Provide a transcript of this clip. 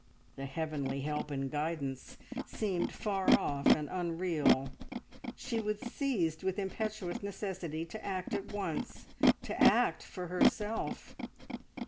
The heavenly help and guidance seemed far off and unreal. She was seized with impetuous necessity to act at once, to act for herself.